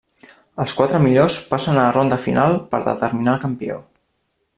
Els quatre millors passen a la ronda final per determinar el campió.